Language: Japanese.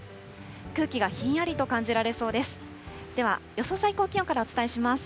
空気がひんやりと感じられそうです。